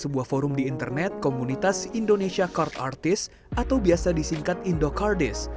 sebuah forum di internet komunitas indonesia card artist atau biasa disingkat indokardis